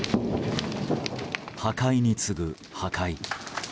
破壊に次ぐ破壊。